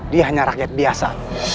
dia hanya rakyat biasa